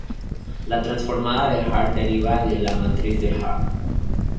La transformada de Haar se deriva de la matriz de Haar.